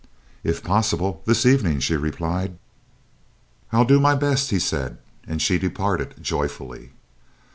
"If possible this evening," she replied. "I'll do my best," he said, and she departed joyfully.